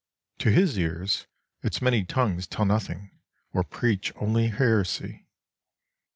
To his ears, its many tongues tell nothing, or preach only heresy.